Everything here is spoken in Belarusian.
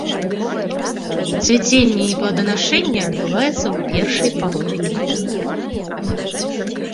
Цвіценне і плоданашэнне адбываецца ў першай палове лета.